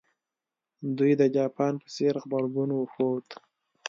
دوی د جاپان په څېر غبرګون وښود.